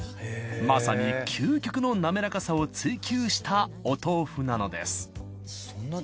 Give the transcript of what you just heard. まさに究極のなめらかさを追求したお豆腐なのです。